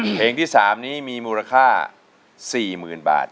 เพลงที่๓นี้มีมูลค่า๔๐๐๐บาท